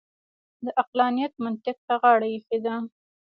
د عقلانیت منطق ته غاړه اېښې ده.